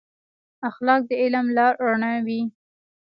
اخلاق د علم لار رڼوي.